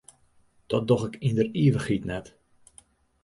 Dat doch ik yn der ivichheid net.